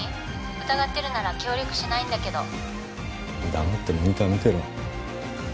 疑ってるなら協力しないんだけど黙ってモニター見てろ